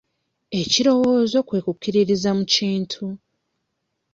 Ekirowoozo kwe kukkiririza mu kintu.